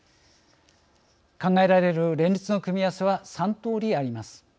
考えられる連立の組み合わせは３通り、あります。